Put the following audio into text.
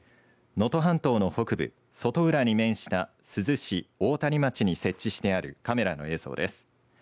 能登半島の北部、外浦に面した珠洲市大谷町に設置してあるカメラの映像です。